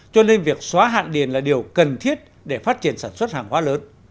cho nên việc xóa hạn điền là điều cần thiết để phát triển sản xuất hàng hóa lớn